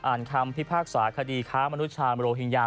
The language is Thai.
อ่านคำพิพากษาคดีค้ามนุษย์ชาวโมโลหิงยา